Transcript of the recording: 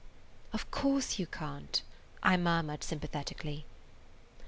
'" "Of course you can't," I murmured sympathetically.